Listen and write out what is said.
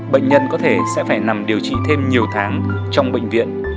bệnh nhân có thể sẽ phải nằm điều trị thêm nhiều tháng trong bệnh viện